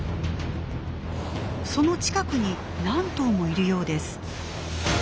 その近くに何頭もいるようです。